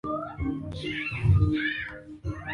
Jacob akaweka chini mkasi alokuwa nao